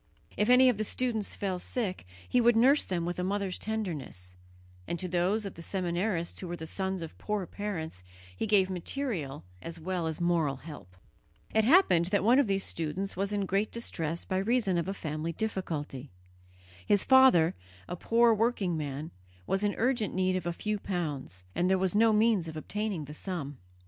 If any of the students fell sick, he would nurse them with a mother's tenderness; and to those of the seminarists who were the sons of poor parents he gave material as well as moral help. It happened that one of these students was in great distress by reason of a family difficulty. His father, a poor working man, was in urgent need of a few pounds, and there was no means of obtaining the sum.